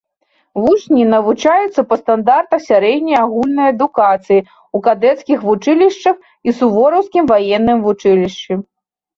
Вучні навучаюцца па стандартах сярэдняй агульнай адукацыі ў кадэцкіх вучылішчах і сувораўскім ваенным вучылішчы.